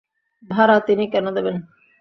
ভাড়া তিনি কেন দেবেন?